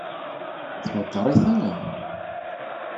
Tweddeṛ-iten?